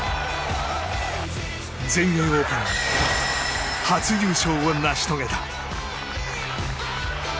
全英オープン初優勝を成し遂げた。